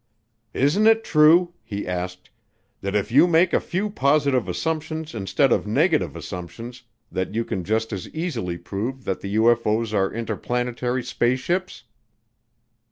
"Isn't it true," he asked, "that if you make a few positive assumptions instead of negative assumptions you can just as easily prove that the UFO's are interplanetary spaceships?